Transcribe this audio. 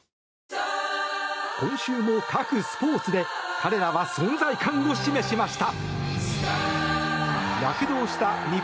今週も各スポーツで彼らは存在感を示しました。